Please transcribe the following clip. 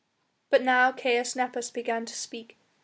But now Caius Nepos began to speak.